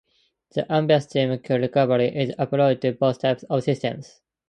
The ambiguous term "key recovery" is applied to both types of systems.